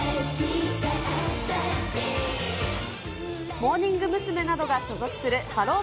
モーニング娘。などが所属するハロー！